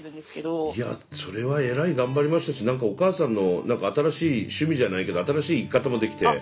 いやそれはえらい頑張りましたし何かお母さんの新しい趣味じゃないけど新しい生き方もできて。